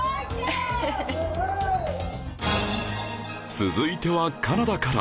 続いてはカナダから